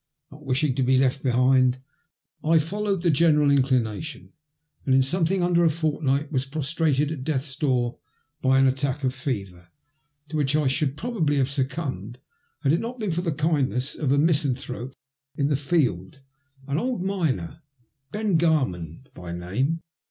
Not wishing to be left behind I followed the general inclination, and in something under a fortnight was prostrated at death's door by an attack of fever, to which I should probably have succumbed had it not been for the kindness of a misanthrope of the field, an old miner, Ben Oarman by name.